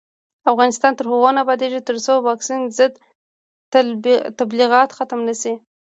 افغانستان تر هغو نه ابادیږي، ترڅو د واکسین ضد تبلیغات ختم نشي.